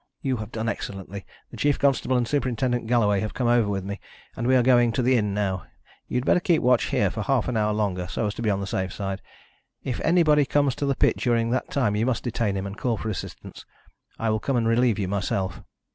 "You have done excellently. The chief constable and Superintendent Galloway have come over with me, and we are going to the inn now. You had better keep watch here for half an hour longer, so as to be on the safe side. If anybody comes to the pit during that time you must detain him, and call for assistance. I will come and relieve you myself."